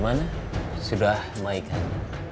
gimana sudah memaikan